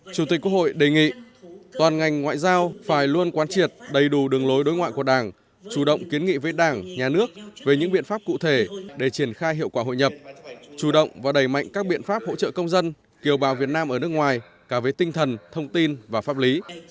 chủ tịch quốc hội đề nghị toàn ngành ngoại giao phải luôn quan triệt đầy đủ đường lối đối ngoại của đảng chủ động kiến nghị với đảng nhà nước về những biện pháp cụ thể để triển khai hiệu quả hội nhập chủ động và đẩy mạnh các biện pháp hỗ trợ công dân kiều bào việt nam ở nước ngoài cả với tinh thần thông tin và pháp lý